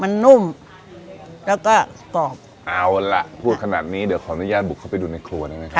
มันนุ่มแล้วก็กรอบเอาล่ะพูดขนาดนี้เดี๋ยวขออนุญาตบุกเข้าไปดูในครัวได้ไหมครับ